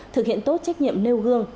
thực hiện tốt trách nhiệm nêu gương